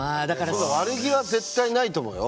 悪気は絶対ないと思うよ